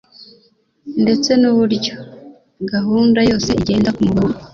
ndetse n’uburyo gahunda yose igenda ku murongo